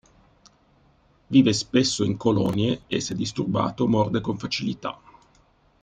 Vive spesso in colonie e se disturbato morde con facilità.